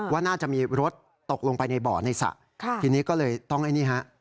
ว่าน่าจะมีรถตกลงไปในบ่อในสระทีนี้ก็เลยต้องไอ้นี่ฮะ